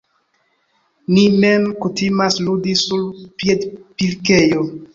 Ni mem kutimas ludi sur piedpilkejo...